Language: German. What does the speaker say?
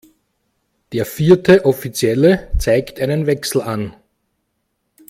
Der vierte Offizielle zeigt einen Wechsel an.